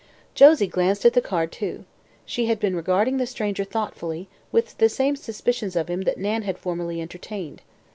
Josie glanced at the card, too. She had been regarding the stranger thoughtfully, with the same suspicions of him that Nan had formerly entertained.